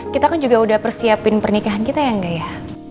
kita kan juga udah persiapin pernikahan kita ya enggak ya